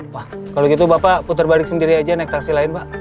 pak kalau gitu bapak putar balik sendiri aja naik taksi lain pak